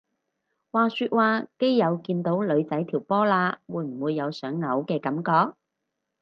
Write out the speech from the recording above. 話說話基友見到女仔條波罅會唔會有想嘔嘅感覺？